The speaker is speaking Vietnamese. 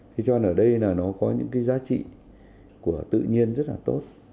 thế cho nên ở đây nó có những giá trị của tự nhiên rất là tốt